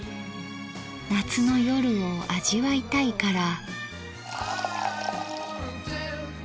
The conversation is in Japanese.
夏の夜を味わいたいから。